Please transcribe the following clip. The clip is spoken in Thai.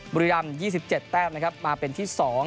บุรีรำ๒๗แต้มนะครับมาเป็นที่๒